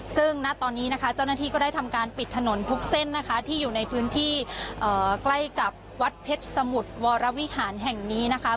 ซึ่งณตอนนี้นะคะเจ้าหน้าที่ก็ได้ทำการปิดถนนทุกเส้นนะคะที่อยู่ในพื้นที่ใกล้กับวัดเพชรสมุทรวรวิหารแห่งนี้นะคะ